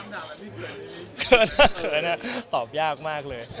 ถ้าเผยนะตอบยากมากเลย